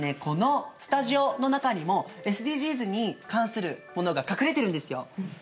このスタジオの中にもＳＤＧｓに関するものが隠れてるんですよ。